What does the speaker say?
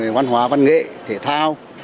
hoàn hóa văn nghệ thể thao